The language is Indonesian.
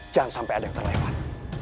jangan sampai ada yang terlewat